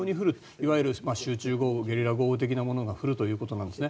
いわゆる集中豪雨ゲリラ豪雨的なものが降るということなんですね。